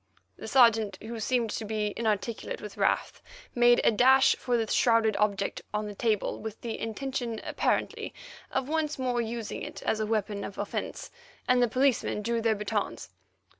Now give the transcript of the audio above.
The Sergeant, who seemed to be inarticulate with wrath, made a dash for the shrouded object on the table, with the intention, apparently, of once more using it as a weapon of offence, and the policemen drew their batons.